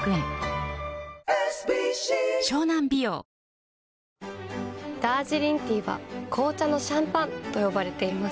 トーンアップ出たダージリンティーは紅茶のシャンパンと呼ばれています。